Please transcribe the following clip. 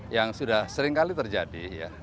yang sudah sering kali terjadi